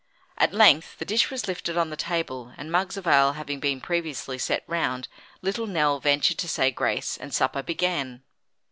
At length the dish was lifted on the table, and mugs of ale having been previously set round, little Nell ventured to say grace, and supper began.